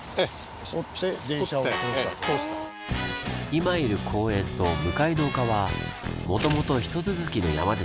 今いる公園と向かいの丘はもともとひと続きの山でした。